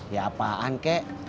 ya apaan kek